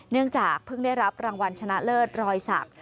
เนื่องจากเพิ่งได้รับรางวัลชนะเลิศรอยสัก